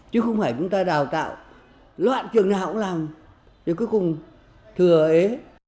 chứ không phải chúng ta đào tạo loạn trường nào cũng làm điều cuối cùng thừa ế